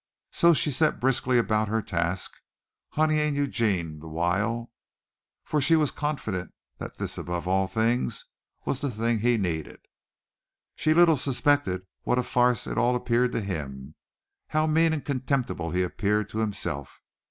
So she set briskly about her task, honeying Eugene the while, for she was confident that this above all things was the thing he needed. She little suspected what a farce it all appeared to him, how mean and contemptible he appeared to himself.